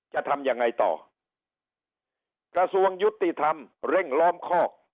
จะทำยังไงต่อกระทรวงยุติธรรมเร่งล้อมคอก